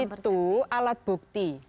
betul visum itu alat bukti